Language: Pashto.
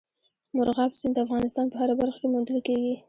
مورغاب سیند د افغانستان په هره برخه کې موندل کېږي.